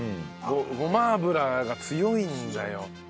ごま油が強いんだよ。